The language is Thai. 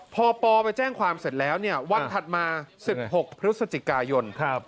พอปอไปแจ้งความเสร็จแล้วเนี่ยวันถัดมา๑๖พฤศจิกายน